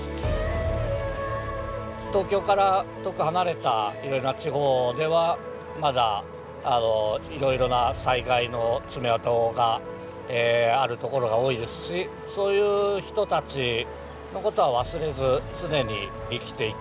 東京から遠く離れたいろいろな地方ではまだいろいろな災害の爪痕があるところが多いですしそういう人たちのことは忘れず常に生きていくべきだなという。